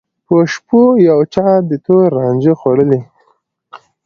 په شپو یو چا دي تور رانجه خوړلي